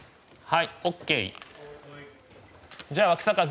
はい。